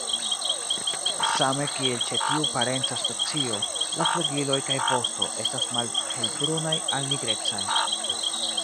Same kiel ĉe tiu parenca specio, la flugiloj kaj vosto estas malhelbrunaj al nigrecaj.